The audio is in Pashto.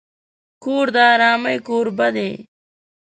کور د آرامۍ کوربه دی.